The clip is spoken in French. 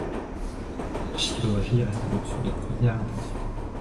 La chirurgie reste l'option de première intention.